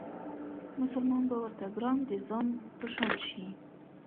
مسلمان به ورته ګران د ځان په شان شي